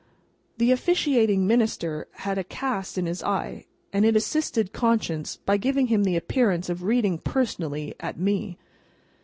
The officiating minister had a cast in his eye, and it assisted conscience by giving him the appearance of reading personally at me.